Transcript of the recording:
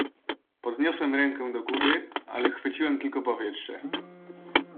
"Podniosłem rękę do góry, ale chwyciłem tylko powietrze."